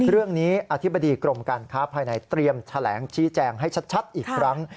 เรื่องนี้อธิบดีกรมการค้าภายในเตรียมแถลงชี้แจงให้ชัดอีกครั้ง